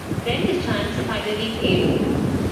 Then his chance finally came.